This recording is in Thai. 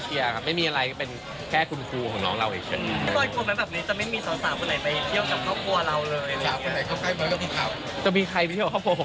จะมีใครไปเที่ยวกับครอบครัวผมเหรอ